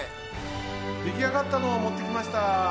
できあがったのをもってきました。